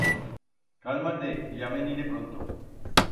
Calma-te que ya me'n iré pronto.